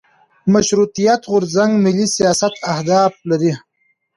مشروطیت غورځنګ ملي سیاست اهداف لرل.